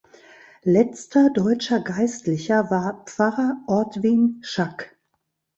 Letzter deutscher Geistlicher war Pfarrer "Ortwin Schack".